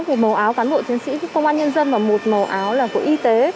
màu áo cán bộ chiến sĩ công an nhân dân và một màu áo là của y tế